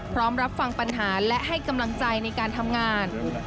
รับฟังปัญหาและให้กำลังใจในการทำงาน